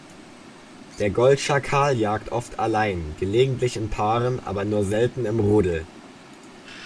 Der Goldschakal jagt oft allein, gelegentlich in Paaren, aber nur selten im Rudel.